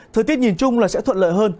thời tiết nhìn chung là sẽ thuận lợi hơn